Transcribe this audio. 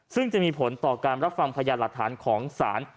ซึ่งจะมีผลต่อการรับฟังพยานหลักฐานของศาล